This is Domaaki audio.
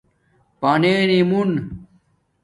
پننی موُن